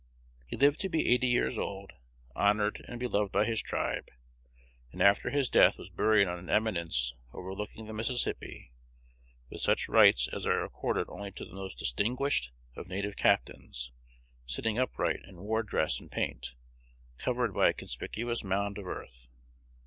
He lived to be eighty years old, honored and beloved by his tribe, and after his death was buried on an eminence overlooking the Mississippi, with such rites as are accorded only to the most distinguished of native captains, sitting upright in war dress and paint, covered by a conspicuous mound of earth.